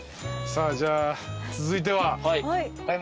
さあじゃあ続いては？